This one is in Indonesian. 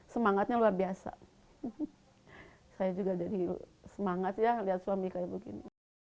semangatnya luar biasa saya juga jadi semangat ya lihat suami kayak begini